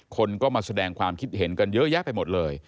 คนก็มาแสดงความคิดเห็นกันเยอะแยะไปหมดเลย